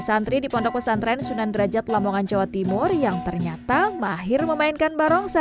santri di pondok pesantren sunan derajat lamongan jawa timur yang ternyata mahir memainkan barongsai